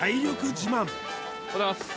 自慢おはようございます